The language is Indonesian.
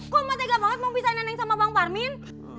kok emak tega banget mau pisahin neneng sama bang pak arwin